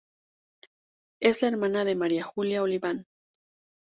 Es la hermana de María Julia Oliván.